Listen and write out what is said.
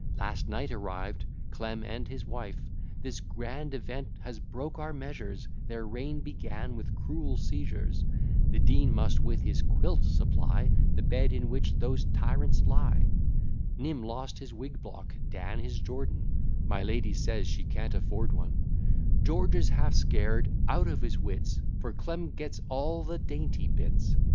Last night arrived Clem and his wife This grand event has broke our measures; Their reign began with cruel seizures; The Dean must with his quilt supply The bed in which those tyrants lie; Nim lost his wig block, Dan his Jordan, (My lady says, she can't afford one,) George is half scared out of his wits, For Clem gets all the dainty bits.